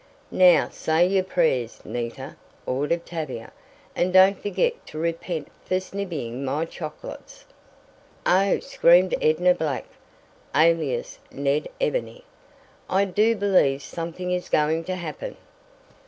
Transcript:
"Now say your prayers, Nita," ordered Tavia, "and don't forget to repent for snibbying my chocolates." "Oh!" screamed Edna Black, alias Ned Ebony, "I do believe something is going to happen!"